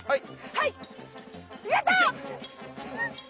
はい！